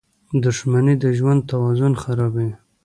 • دښمني د ژوند توازن خرابوي.